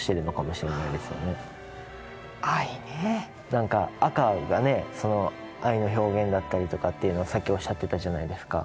なんか赤がねその愛の表現だったりとかっていうのをさっきおっしゃってたじゃないですか。